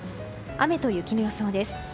雨と雪の予想です。